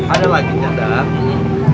ada lagi nyandang